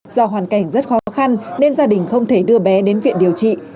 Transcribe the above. do hoàn cảnh rất khó khăn nên gia đình không thể đưa bé đến viện điều trị